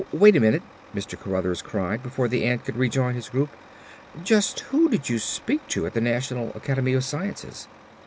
"Oh, wait a minute," Mr. Cruthers cried before the ant could rejoin his group. "Just who did you speak to at the National Academy of Sciences?"